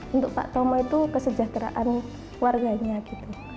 untuk pak tomo itu kesejahteraan warganya gitu